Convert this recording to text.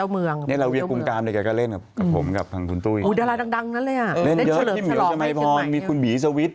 มีพี่หมีวสมัยพรมีบี๋ศวิศ